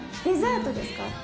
デザートですか？